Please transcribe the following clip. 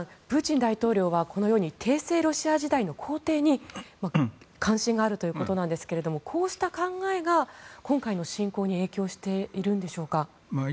プーチン大統領はこのように帝政ロシア時代の皇帝に関心があるということですがこうした考えが今回の侵攻に影響しているんでしょうか。